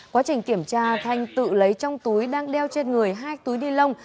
quá trình kiểm tra thanh tự lấy trong túi đang đeo trên người hai túi ni lông